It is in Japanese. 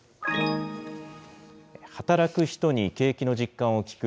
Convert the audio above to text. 働く人に景気の実感を聞く